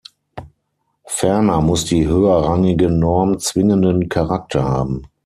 Ferner muss die höherrangige Norm zwingenden Charakter haben.